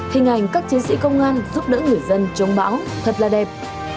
hình ảnh các chiến sĩ công an giúp đỡ người dân chống bão thật là đẹp